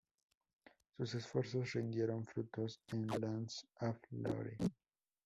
Sus esfuerzos rindieron frutos en "Lands of Lore".